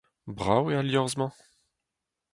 Brav eo al liorzh-mañ.